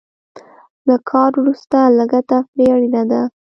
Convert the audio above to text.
له کار وروسته لږه تفریح اړینه ده.